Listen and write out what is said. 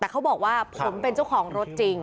แต่เขาบอกว่าผมเป็นเจ้าของรถจริง